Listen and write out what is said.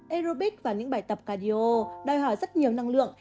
aerobics và những bài tập cardio đòi hỏi rất nhiều năng lượng